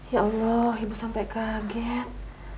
ya allah ibu sampai kaget